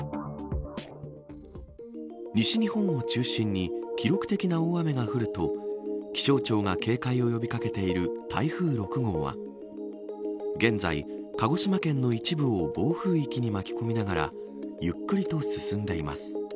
西日本を中心に記録的な大雨が降ると気象庁が警戒を呼び掛けている台風６号は現在、鹿児島県の一部を暴風域に巻き込みながらゆっくりと進んでいます。